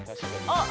あっ。